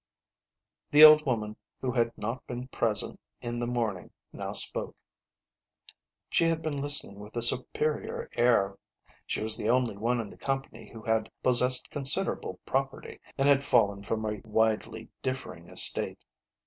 The old woman who had not been present in the morn ing now spoke. She had been listening with a superior air. She was the only one in the company who had possessed considerable property, and had fallen from a widely differ ing estate.